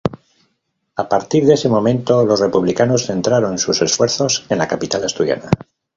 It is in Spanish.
A partir de ese momento los republicanos centraron sus esfuerzos en la capital asturiana.